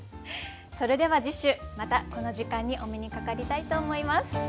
それでは次週またこの時間にお目にかかりたいと思います。